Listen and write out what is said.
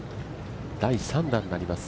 第３打になります